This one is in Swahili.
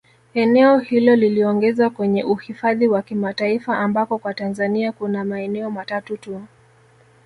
Eneo hilo liliongezwa kwenye uhidhafi wa kimataifa ambako kwa Tanzania kuna maeneo matatu tu